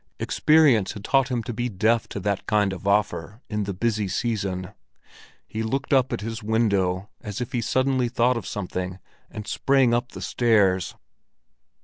Experience had taught him to be deaf to that kind of offer in the busy season. He looked up at his window as if he had suddenly thought of something, and sprang up the stairs.